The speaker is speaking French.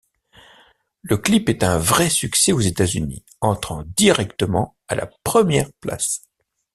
Le clip est un vrai succès aux États-Unis, entrant directement à la première place.